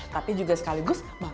tapi juga sebagiannya